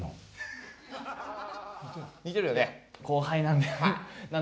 似てるよね？